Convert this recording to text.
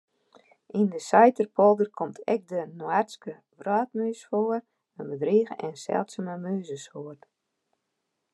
Yn de Saiterpolder komt ek de Noardske wrotmûs foar, in bedrige en seldsume mûzesoarte.